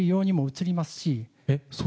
映りますし。